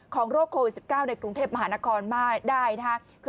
โรคโควิด๑๙ในกรุงเทพมหานครมาได้นะครับ